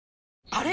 あれ？